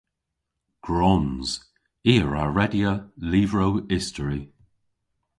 Gwrons. I a wra redya lyvrow istori.